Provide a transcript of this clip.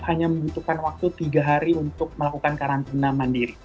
hanya membutuhkan waktu tiga hari untuk melakukan karantina mandiri